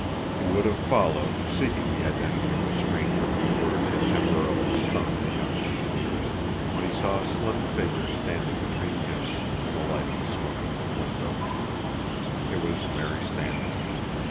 He would have followed, seeking the identity of the stranger whose words had temporarily stunned the young engineers, when he saw a slim figure standing between him and the light of the smoking room windows. It was Mary Standish.